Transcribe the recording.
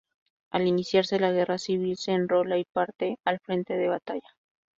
Al iniciarse la Guerra civil se enrola y parte al frente de batalla.